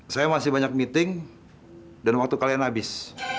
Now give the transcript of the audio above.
saya masih banyak meeting dan waktu kalian habis